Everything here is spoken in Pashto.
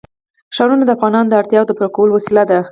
ښارونه د افغانانو د اړتیاوو د پوره کولو وسیله ده.